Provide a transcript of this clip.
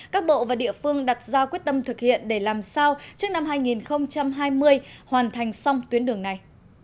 các bộ và địa phương đặt ra quyết tâm thực hiện để làm sao trước năm hai nghìn hai mươi hoàn thành xong tuyến đường này